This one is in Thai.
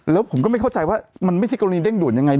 แล้วผมก็ไม่เข้าใจว่ามันไม่ใช่กรณีเร่งด่วนยังไง